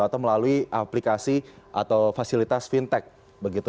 atau melalui aplikasi atau fasilitas fintech begitu